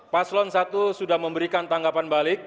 paslon satu sudah memberikan tanggapan balik